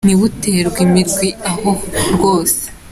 Ntibuterwe imirwi aho rwose